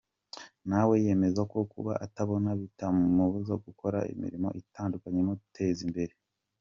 Nawe yemeza ko kuba atabona bitamubuza gukora imirimo itandukanye imuteza imbere.